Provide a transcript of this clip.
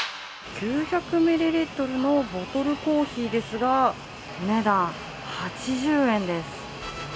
９００ミリリットルのボトルコーヒーですが、お値段８０円です。